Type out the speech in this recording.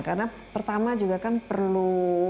karena pertama juga kan perlu